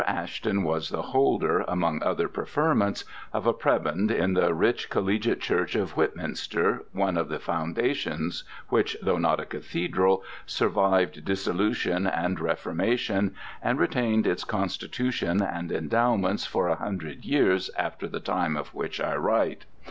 Ashton was the holder, among other preferments, of a prebend in the rich collegiate church of Whitminster, one of the foundations which, though not a cathedral, survived dissolution and reformation, and retained its constitution and endowments for a hundred years after the time of which I write.